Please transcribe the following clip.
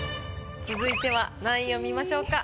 続いては何位を見ましょうか？